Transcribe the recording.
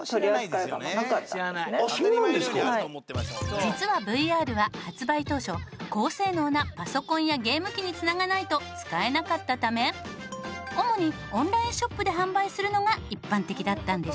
実はＶＲは発売当初高性能なパソコンやゲーム機に繋がないと使えなかったため主にオンラインショップで販売するのが一般的だったんです。